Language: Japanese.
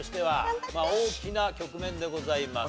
大きな局面でございます。